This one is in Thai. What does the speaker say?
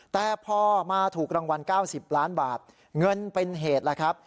แต่พอมาถูกรางวัล๙๐ล้านบาทเงินเป็นเหตุแล้วครับ